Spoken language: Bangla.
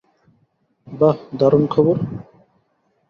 বাহ, দারুণ খবর।